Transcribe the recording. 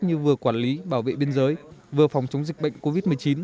như vừa quản lý bảo vệ biên giới vừa phòng chống dịch bệnh covid một mươi chín